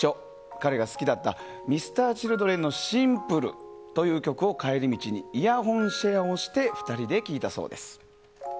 彼が好きだったＭｒ．Ｃｈｉｌｄｒｅｎの「Ｓｉｍｐｌｅ」という曲を帰り道にイヤホンシェアをして２人で聴いたそうです。